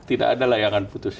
tidak ada layangan putus